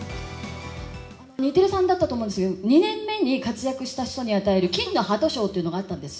日テレさんだったと思うんですけども、２年目に活躍した人に与える金の鳩賞というのがあったんです。